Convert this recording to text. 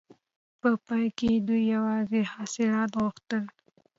په پیل کې دوی یوازې اصلاحات غوښتل.